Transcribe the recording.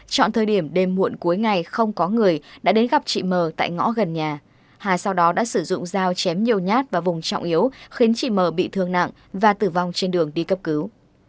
chọn thời điểm đêm muộn cuối ngày không có người đã đến gặp chị mờ tại ngõ gần nhà hai sau đó đã sử dụng dao chém nhiều nhát vào vùng trọng yếu khiến chị m bị thương nặng và tử vong trên đường đi cấp cứu